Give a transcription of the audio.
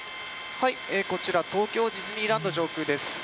東京ディズニーランド上空です。